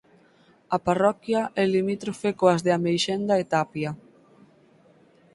A parroquia é limítrofe coas de Ameixenda e Tapia.